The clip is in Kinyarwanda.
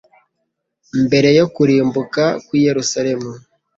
Mbere yo kurimbuka kw'i Yerusalemu,